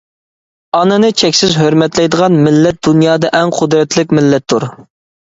ئانىنى چەكسىز ھۆرمەتلەيدىغان مىللەت دۇنيادا ئەڭ قۇدرەتلىك مىللەتتۇر!